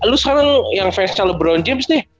lu sekarang yang fansnya lebron james deh